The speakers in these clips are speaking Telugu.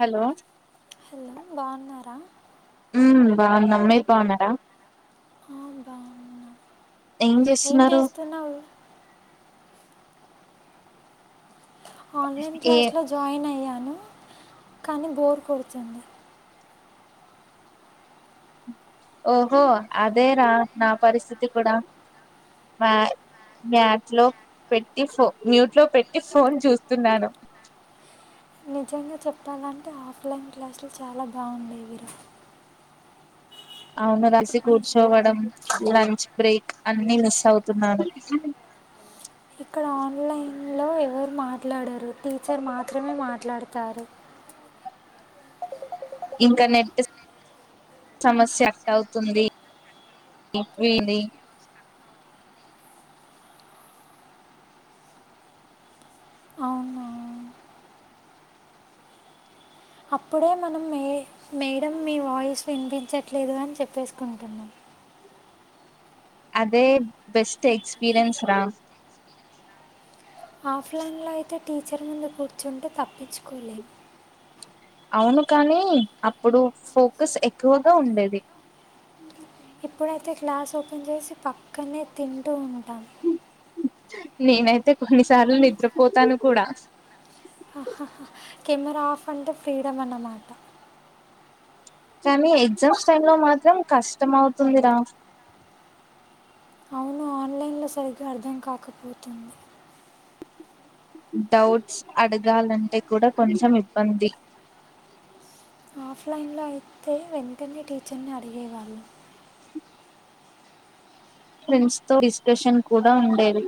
హలో హలో బాగున్నారా ఉ బాగునము మీరు బావునర ఆ బాగున్నా ఏం చేస్తున్నావు ఆన్లైన్ ఏ క్లాస్లో జాయిన్ అయ్యాను కానీ బోర్ కొడుతుంది ఓహో అదే రా నా పరిస్థితి కూడా మా మ్యాట్ లో పెట్టి ఫో మ్యూట్ లో పెట్టి ఫోన్ చూస్తున్నాను నిజంగా చెప్పాలంటే ఆఫ్లైన్ క్లాసులు చాలా బాగుండయి వరు అవును రాసి కూర్చోవడం లంచ్ బ్రేక్ అన్ని మిస్ అవుతున్నారును అ ఇక్కడ ఆన్లైన్ లో ఎవరు మాట్లాడరు టీచర్ మాత్రమే మాట్లాడతారు ఇంకా నెట్ సమస్య అట్ అవుతుంది వింది అవునా అప్పుడే మనం మే మేడం మీ వాయిస్ వినిపించట్లేదు అని చెప్పేసుకుంటున్నాం అదే బెస్ట్ ఎక్స్పీీరియన్స్ రా ఆఫ్లైన్లో అయితే టీచర్ ముందు కూర్చుంటే తప్పించుకోలేము అవును కానీ అప్పుడు ఫోకస్ ఎక్కువగా ఉండేది ఇప్పుడైతే క్లాస్ ఓపెన్ చేసి పక్కనే తింటూ ఉంటాం నేనైతే కొన్నిసార్లు నిద్రపోతాను కూడా కెమెరా ఆఫ్ అంటే ఫ్రీడమ్ అన్నమాట కానీ ఎగ్జామ్స్ టైమ్ లో మాత్రం కష్టం అవుతుందిరా అవును ఆన్లైన్ లో సరిగ్గా అర్థం కాకపోతుంది డౌట్స్ అడగాలంటే కూడా కొంచెం ఇబ్బంది ఆఫ్లైన్లో అయితే వెంటనే టీచర్ని అడిగేవాళ్ళు ఫ్రెండ్స్ తో డిస్క్రషన్ కూడా ఉండేది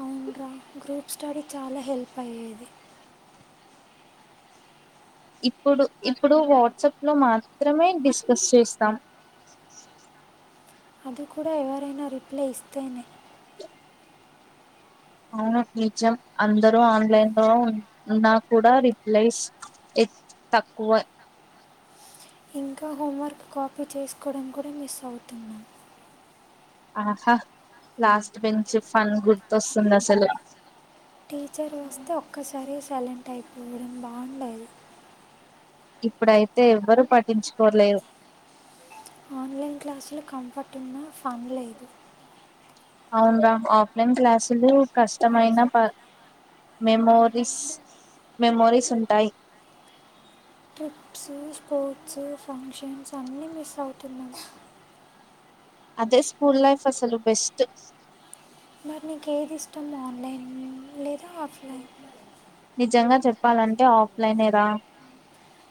అవును రా గ్రూప్ స్టడీ చాలా హెల్ప్ అయ్యేది ఇప్పుడు ఇప్పుడు వాట్సాప్ లో మాత్రమే డిస్కస్ చేస్తాం అది కూడా ఎవరైనా రిప్లై ఇస్తేనే అవును నిజం అందరూ ఆన్లైన్ లో ఉన్నా కూడా రిప్లైస్ తక్కువే ఇంకా హోంవర్క్ కాపీ చేసుకోవడం కూడా మిస్ అవుతుంది ఆహా లాస్ట్ బెంచ్ ఫన్ గుర్తుస్తుంది అసలు టీచర్ వస్తే ఒక్కసారి సైలెంట్ అయిపోవడం బాగుండదు ఇప్పుడైతే ఎవ్వరూ పఠంచుకోలేరు ఆన్లైన్ క్లాసులు కంఫర్ట్ ఉన్నా ఫన్ లేదు అవునురా ఆఫ్లైన్ క్లాసులు కష్టమైన ప మెమరీస్ మెమోరీస్ ఉంటాయి ప్స్ స్పోర్ట్స్ ఫంక్షన్స్ అన్నీ మిస్ అవుతున్నా అదే స్కూల్ లైఫ్ అసలు బెస్ట్ మరి నీకు ఏది ఇష్టం ఆన్లైన్ లేదా ఆఫ్లైన్ నిజంగా చెప్పాలంటే ఆఫ్లైనే రా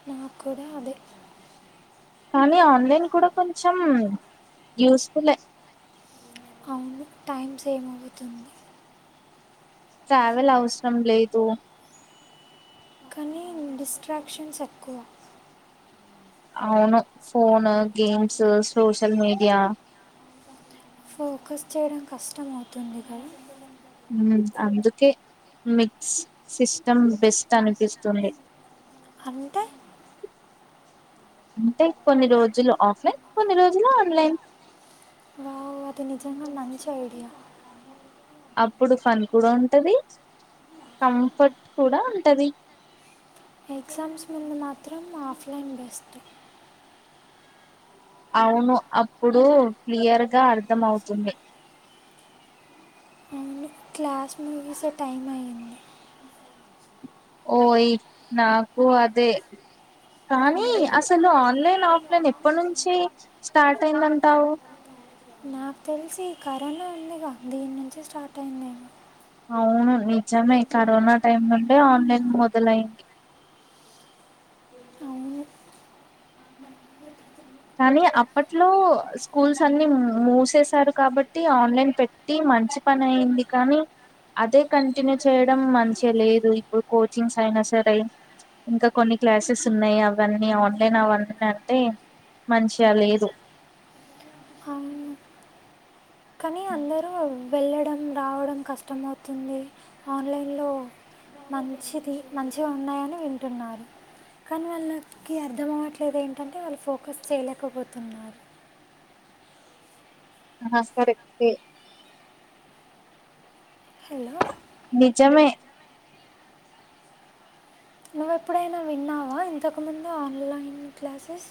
నాకు కూడా అదే కానీ ఆన్లైన్ కూడా కొంచెం యూస్ఫుల్ అ టైమ్ సేవ్ అవుతుంది ట్రావెల్ అవసరం లేదు కానీ డిస్ట్రాక్షన్స్ ఎక్కువ అవును phone, games, social media. Focus చేయడం కష్టం అవుతుంది. గాయ్ ఉమ్ అందుకే మిక్స్, సిస్టమ్ బెస్ట్ అనిపిస్తుంది. అంటే అంటే కొన్ని రోజులు ఆఫ్లైన్, కొన్ని రోజులు ఆన్లైన్. వావ్ అది నిజాంగా మంచి ఐడియా. అప్పుడు ఫన్ కూడా ఉంటది. కంఫర్ట్ కూడా ఉంటది. ఎగ్జామ్స్ ముందు మాత్రం ఆఫ్లైన్ బెస్ట్. అవును అప్పుడు క్లియర్గా అర్థమవుతుంది. అవును క్లాస్ ముగిసే టైం అయ్యింది. ఓ యి నాకు అదే కానీ అసలు ఆన్లైన్, ఆఫ్లైన్ ఎప్పటి నుంచి స్టార్ట్ అయిందంటావు. క్ తెలిసి ఈ కరోనా ఉందిగా, దీని నుంచి స్టార్ట్ అయిందేమో. అవును నిజమే. కరోనా టైం నుండే ఆన్లైన్ మొదలయ్యింది. అవును కానీ అప్పట్లో స్కూల్స్ అన్ని మూసేసారు కాబట్టి. ఆన్లైన్ పెట్టి, మంచి పని అయింది కానీ. అదే కంటిన్యూ చేయడం మంచిగ్లేదు. ఇప్పుడు కోచింగ్ సయినస్రై ఇంకా కొన్ని క్లాసెస్ ఉన్నాయి. అవన్నీ ఆన్లైన్ అవన్నీ అంతే మంచిగా లేదు. అవును కానీ అందరూ వెళ్ళడం, రావడం కష్టమవుతుంది. ఆన్లైన్లో మంచిది మంచిగా ఉన్నాయని, వింటున్నారు. కానీ వాళ్ళకి అర్థంమవ్వట్లేదు. ఏంటంటే వాళ్ళు ఫోకస్ చేయలేకపోతున్నారు. నా ఆ [unintelligible] హలో నిజమే నువ్వెప్పుడైనా విన్నావా? ఇంతకుముందే ఆన్లైన్ క్లాసెస్.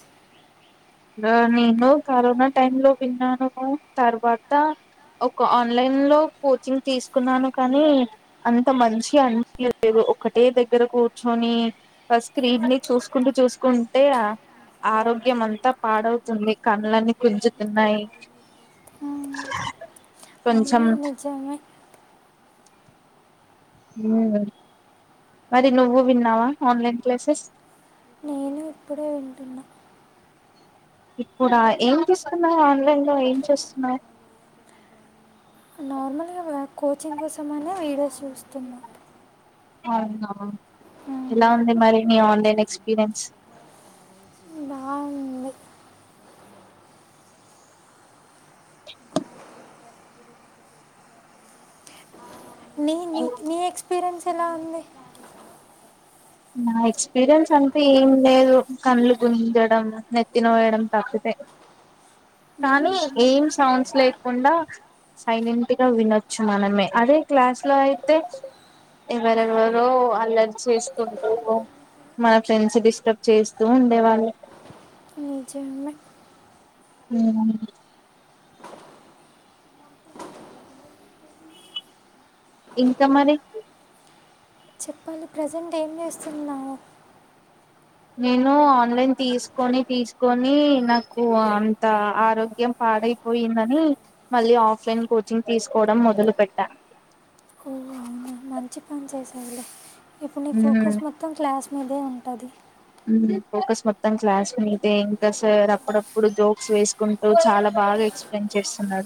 డా నేను కరోనా టైం లో విన్నాను. తర్వాత ఒక ఆన్లైన్ లో కోచింగ్ తీసుకున్నాను కానీ. అంత మంచిగా అనిపియాలేదు. ఒకటే దగ్గర కూర్చొని ఫ స్క్రీన్ ని చూసుకుంటూ, చూసుకుంటే. ఆ ఆరోగ్యం అంతా పాడవుతుంది, కళ్డ్లన్నీ గుంజుతున్నాయి. కొంచెం అవును నిజమే మరి నువ్వు విన్నావా? Online classes. న్ ఇప్పుడే వింటున్నా. ఇప్పుడ ఏం చూస్తున్నావ్, ఆన్లైన్ లో ఏం చేస్తున్నావ్ నార్మల్గా మన కోచింగ్ కోసమనే వీడియోస్ చూస్తున్నా. అవునా మ్మ్. ఎలా ఉంది మరి. మీ ఆన్లైన్ ఎక్స్పీరియన్స్? బావుంది [unintelligible] పిరెన్స్ ఎలా ఉంది. నా ఎక్స్పీరియన్స్ అంటే ఏం లేదు. కళ్లు గుంజడం, నెత్తినోయడం తప్పితే. కానీ మ్మ్. ఏం సౌండ్స్ లేకుండా. సైలెంట్ గా వినొచ్చు. మనమే అదే క్లాస్ లో అయితే ఎవరెవరో అల్లరి చేసుక్ [inaudible] మన ఫ్రెండ్స్ డిస్టర్బ్ చేస్తూ ఉండేవాళ్ళు. నిజమే అవున ఇంకా మరి చెప్పాలి ప్రజెంట్ ఏం చేేస్తున్నావు నేను ఆన్లైన్ తీసుకొని తీసుకొని నాకు అంత ఆరోగ్యం పాడైపోయిందని మళ్ళీ ఆఫ్ లైన్ కోచింగ్ తీసుకోవడం మొదలు పెట్టా ఓ అవునా మంచి పని చేసేలే ఇప్పుడు నీ ఉమ్, ఫోకస్ మొత్తం క్లాస్ మీదే ఉంటుంది ఫోకస్ మొత్తం క్లాస్కునితే ఇంకా సార్ అప్పుడప్పుడు జోక్స్ వేసుకుంటూ చాలా బా బాగా ఎక్స్ప్లెయిన్ చేస్తున్నా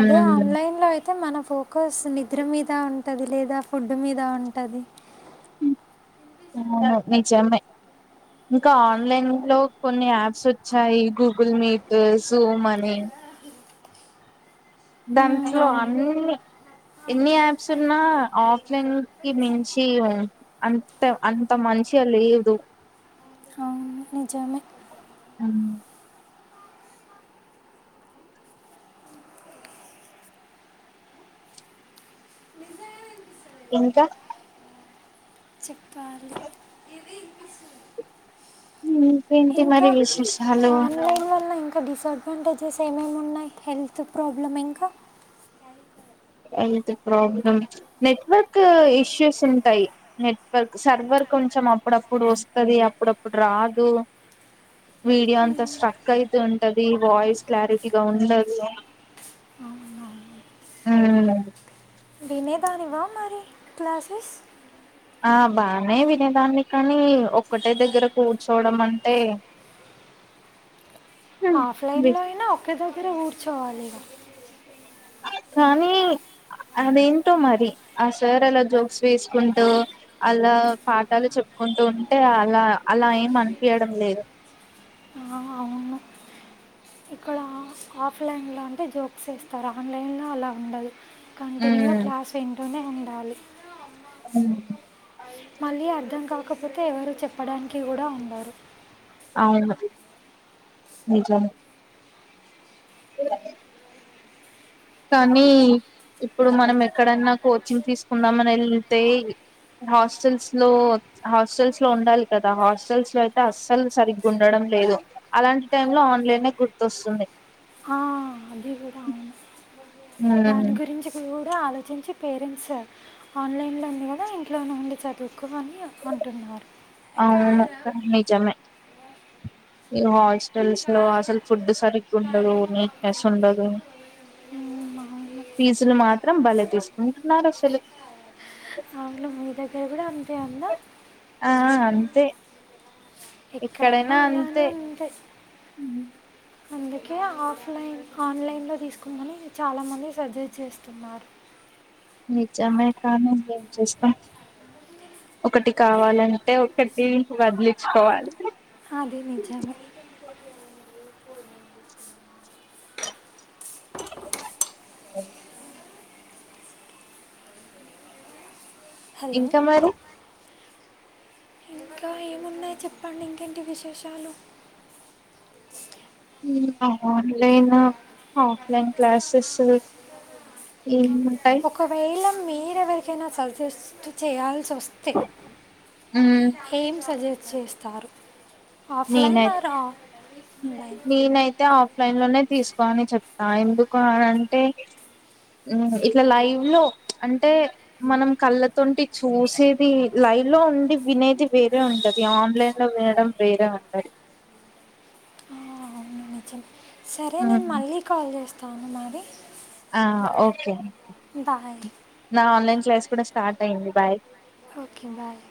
అదే ఆన్లైన్ లో అయితే మన ఫోకస్ నిద్ర మీద ఉంటుంది లేదా ఫుడ్ మీద ఉంటుంది నచ అమ్మ ఇంకా ఆన్లైన్ లో కొన్ని యాప్స్ వచ్చాయి గూగుల్ మీట్ జూ మనీ దాంట్లో అవును అన్నిీ ఎన్ని యాప్స్ ఉన్నా ఆఫ్లైన్ కి మించి అంత అంత మంది మనిషి అల్ ఇదు అవును నిజమే అ ఇంకా చెప్పాల ఇంకేంటి ఇంకా మరి విశేషాలు ఆన్లైన్ వల్ల ఇంకా ఇంకా డిసడ్వాంటేజెస్ ఏమేమి ఉన్నాయి హెల్త్ ప్రాబ్లమ్ ఇంకా అ ప్రాబ్లమ్ నెట్వర్క్ ఇష్యూస్ ఉంటాయి నెట్వర్క్ సర్వర్ అ కొంచం అప్పుడప్పుడు వస్తుంది అప్పుడప్పుడు రాదు వీడియో అంతా స్ట్రక్ అయితే ఉంటది వాయిస్ క్లారిటీగా ఉండదు అవువు ఉ వినేదానివా మరి క్లాసెస్ ఆ బానే వినేదాన్ని కానీ ఒక్కటే దగ్గర కూర్చోడం అంటే ఆఫ్లైన్లో అయినా ఒకరి దొ ఒకరే ఊర్చోవాలి కానీ అదేంటో మరి ఆ సార్ అలా జోక్స్ వేసుకుంటూ అలా పాఠాలు చెప్పుకుంటూ ఉంటే అలా అలా ఏం అనిపయడం లేదు అవును ఇక్కడ ఆఫ్లైన్లో అంటే జోక్స్ ఇేస్తారు ఆన్లైన్లో అలా ఉండదు కంటిన్యూ మ్మ్ క్లాస్ వింటూనే ఉండాలి హ మళ్ళీ అర్థం కాకపోతే ఎవరుూ చెప్పడానికి కూడా ఉన్నారురు అవును నిజాం అ కానీ ఇప్పుడు మనం ఎక్కడైన్నా కోచింగ్ తీసుకుందామని వెళ్తే హాస్టల్స్ లో హాస్టల్స్ లో ఉండాలి కదా హాస్టల్స్ లో అయితే అస్సలు సరిగ్గా ఉండడం లేదు అలాంటి టై లో ఆన్లైన్ గుర్తొస్తుంది ా అభ కూడా రా ఉమ్, దాని గురించి ఇ ఆలోచించి పేరెంట్స్ సార్ ఆన్లైన్ లో ఉంది కదా ఇంట్లోనే ఉండి చదువు ఒకవనీ ఫంటనార్ అవును నిజమే ఈ హాస్టల్స్ లో అసలు ఫుడ్ సరిగ్గా ఉండదు నీట్నెస్ ఉండదు ఉ ఫీజులు మాత్రం బల తీసుకుంటున్నారు అసలు రంత అా ఆ అంతే ఎక్కడైనా అలానే ఉందై అందుకే ఆఫ్లైన్ ఆన్లైన్ లో తీసుకుందని, చాలా మంది సజెస్ట్ చేస్తున్నారు. నిజమే కానీ ఏం చేస్తాం? ఒకటి కావాలంటే ఒకటి వదిలిచ్చుకోవాలి. అది నిజమే అ హలో ఇంకా మరి న్నయి చెప్పండి ఇంకెంటి విశేషాలు? ఆన్లైను ఆఫ్లైన్ క్లాసెసు ఏమ ఒకవేళ మీరె ఎవరికైనా సజెస్ట్ చేయాలి సోస్తే మ్మ్ ఏం సజెస్ట్ చేస్తారు? ఆఫ్లైన్ నేనై ఆర్ ఆన్లైన్ లైన్ లోనే తీసుకోని చెప్తా, ఎందుకు అని అంటే ఇట్ల లైవ్ లో ప్చ్ అంటే, మనం కళ్ళతోటి చూసేది లై లో ఉండి వినేది వేరే ఉంటది, ఆన్లైన్ లో ఉంటై వేరే ఉంటది అవును నిజం సరే నేను మళ్ళీ కాల్ చేస్తాను మరి. ఆ ఓకే బాయ్ నా ఆన్లైన్ క్లాస్ కూడా స్టార్ట్ అయింది, బాయ్ ఓకే బాయ్